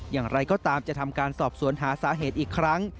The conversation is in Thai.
อย่างไรก็ตามจะทำการสอบสวนหาสาเหตุอีกครั้ง